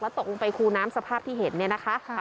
ตกลงไปคูน้ำสภาพที่เห็นเนี่ยนะคะ